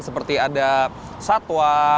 seperti ada satwa